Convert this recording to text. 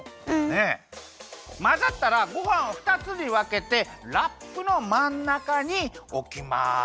まざったらごはんをふたつにわけてラップのまんなかにおきます！